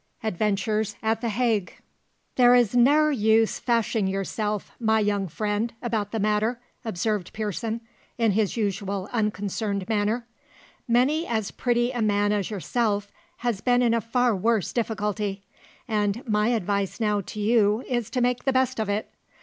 ADVENTURES AT THE HAGG. "There is ne'er use fashing yourself, my young friend, about the matter," observed Pearson, in his usual unconcerned manner, "many as pretty a man as yourself has been in a far worse difficulty, and my advice now to you is to make the best of it.